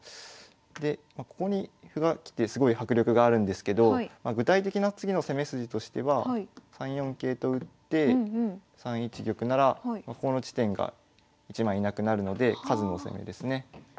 でここに歩が来てすごい迫力があるんですけど具体的な次の攻め筋としては３四桂と打って３一玉ならここの地点が１枚なくなるので数の攻めですね。